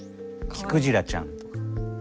聴クジラちゃんとか。